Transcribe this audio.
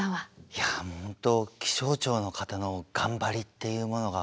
いやもう本当気象庁の方の頑張りっていうものが。